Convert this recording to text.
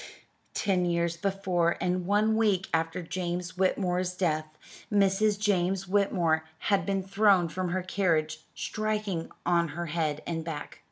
Ten years before, and one week after James Whitmore's death, Mrs. James Whitmore had been thrown from her carriage, striking on her head and back.